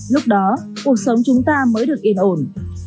lúc đó cuộc sống chúng ta mới được yên ổn